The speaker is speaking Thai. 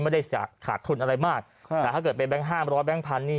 ไม่ได้ขาดทุนอะไรมากแต่ถ้าเกิดเป็นแก๊งห้ามร้อยแบงค์พันนี่